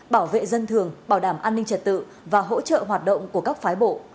bảo vệ dân thường bảo đảm an ninh trật tự và hỗ trợ hoạt động của các phái bộ